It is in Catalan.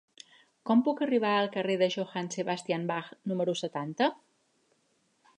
Com puc arribar al carrer de Johann Sebastian Bach número setanta?